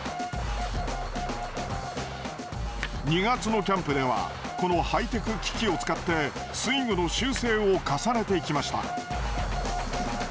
２月のキャンプではこのハイテク機器を使ってスイングの修正を重ねていきました。